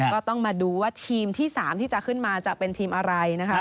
ก็ต้องมาดูว่าทีมที่๓ที่จะขึ้นมาจะเป็นทีมอะไรนะคะ